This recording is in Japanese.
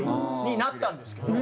になったんですけど。